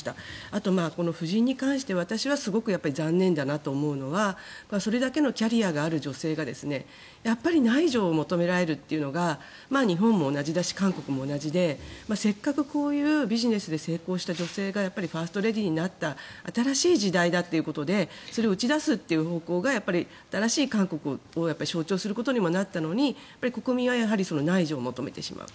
あと、夫人に関しては私はすごく残念だなと思うのはそれだけのキャリアがある女性がやっぱり内助を求められるというのが日本も同じだし韓国も同じでせっかくこういうビジネスで成功した女性がファーストレディーになった新しい時代だということでそれを打ち出すという方向が新しい韓国を象徴することにもなったのに国民は内助を求めてしまう。